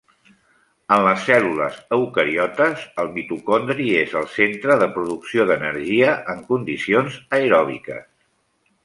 En les cèl·lules eucariotes el mitocondri és el centre de producció d'energia en condicions aeròbiques.